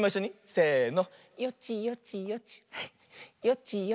せの。